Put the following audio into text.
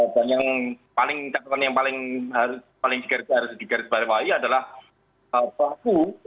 dan yang paling yang paling harus digaris garis adalah pelaku